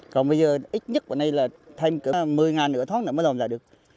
còn bây giờ ít nhất là thêm cỡ một mươi ngàn nửa thóng nữa mới dùng lại được